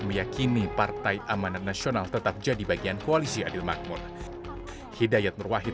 meyakini partai amanat nasional tetap jadi bagian koalisi adil makmur hidayat nurwahid